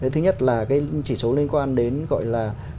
thứ nhất là cái chỉ số liên quan đến gọi là